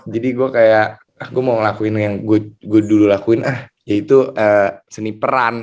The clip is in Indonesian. jadi gue kayak ah gue mau ngelakuin yang gue dulu lakuin ah yaitu seni peran